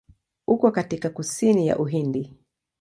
Uko katika kusini ya Uhindi.